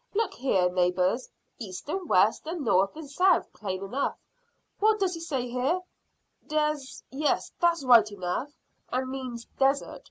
Look here, neighbours, east and west and north and south plain enough. What does he say here? `Des ' Yes, that's right enough, and means desert.